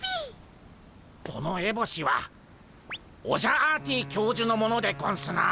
このエボシはオジャアーティ教授のものでゴンスな。